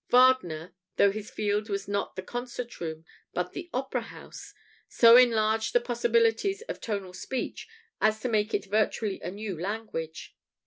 Wagner, though his field was not the concert room, but the opera house, so enlarged the possibilities of tonal speech as to make of it virtually a new language.